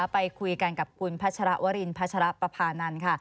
ไปคุยกันกับคุณพัชรวรินพัชรปภานันทร์ค่ะ